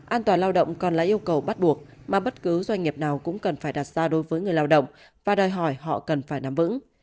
an toàn lao động còn là yêu cầu bắt buộc mà bất cứ doanh nghiệp nào cũng cần phải đặt ra đối với người lao động và đòi hỏi họ cần phải nắm vững